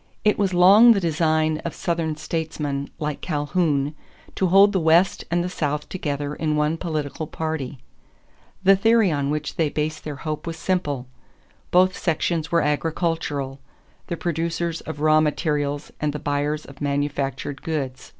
= It was long the design of Southern statesmen like Calhoun to hold the West and the South together in one political party. The theory on which they based their hope was simple. Both sections were agricultural the producers of raw materials and the buyers of manufactured goods.